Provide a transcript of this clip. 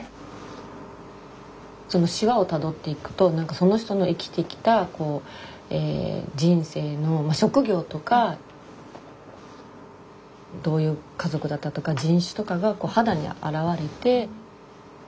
そのしわをたどっていくと何かその人の生きてきた人生の職業とかどういう家族だったとか人種とかが肌に表れて。